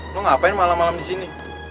lo ngapain malam malam disini